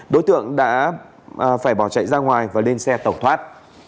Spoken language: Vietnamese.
đối tượng đã phải bỏ chạy ra ngoài và lên xe tẩu thoát